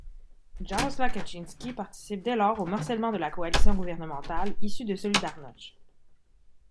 Jarosław Kaczyński participe dès lors au morcellement de la coalition gouvernementale issue de Solidarność.